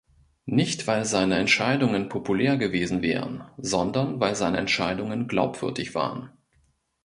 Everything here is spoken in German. Nicht, weil seine Entscheidungen populär gewesen wären, sondern weil seine Entscheidungen glaubwürdig waren.